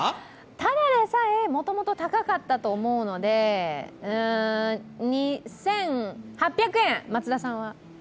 ただでさえもともと高かったと思うので、２８００円、松田さんは？